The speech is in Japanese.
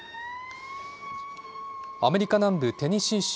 アメリカ南部テネシー州